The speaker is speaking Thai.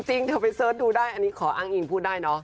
จริงเธอไปเสิร์ชดูได้อันนี้ขออ้างอิงพูดได้เนอะ